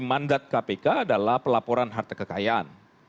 mandat kpk adalah pelaporan harta kekayaan